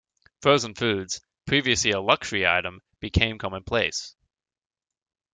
Frozen foods, previously a luxury item, became commonplace.